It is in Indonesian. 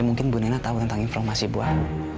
ya mungkin bu nena tahu tentang informasi buah